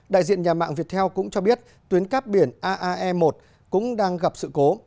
đại diện nhà mạng viettel cũng cho biết tuyến cắp biển aae một cũng đang gặp sự cố